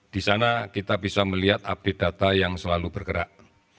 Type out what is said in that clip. di sana kita bisa melihat update data yang selalu bergerak